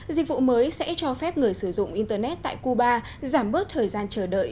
dịch vụ mới sẽ cho phép người sử dụng internet tại cuba giảm bớt thời gian chờ đợi